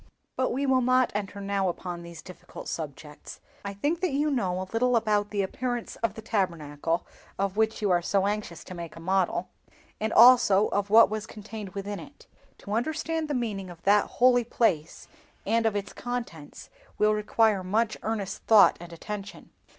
But we will not enter now upon these difficult subjects. I think that you know a little about the appearance of the Tabernacle of which you are anxious to make a model, and also of what was contained within it. To understand the meaning of that holy place, and of its contents, will require much earnest thought and attention.